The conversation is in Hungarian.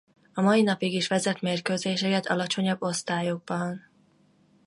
A mai napig is vezet mérkőzéseket alacsonyabb osztályokban.